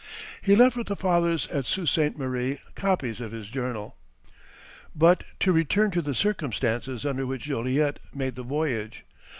He left with the Fathers at Sault St. Marie copies of his journal." But to return to the circumstances under which Joliet made the voyage.